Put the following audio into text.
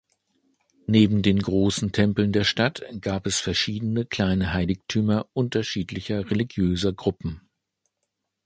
Neben den großen Tempeln der Stadt gab es verschiedene kleine Heiligtümer unterschiedlicher religiöser Gruppen.